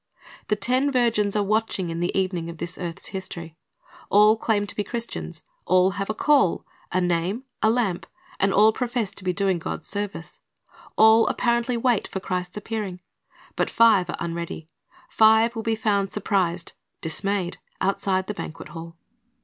The ten virgins are watching in the evening of this earth's history. All claim to be Christians. All have a call, a name, a lamp, and all profess to be doing God's service. All apparently wait for Christ's appearing. But five are unready. Five will be found surprised, dismayed, outside the banquet hall.